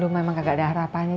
lu memang kagak ada harapannya